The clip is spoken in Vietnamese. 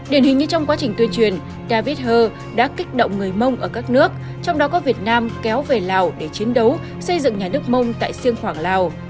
điển hình như trong quá trình tuyên truyền david her đã kích động người mông ở các nước trong đó có việt nam kéo về lào để chiến đấu xây dựng nhà nước mông tại siêng khoảng lào